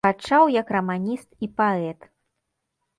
Пачаў як раманіст і паэт.